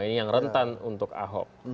ini yang rentan untuk ahok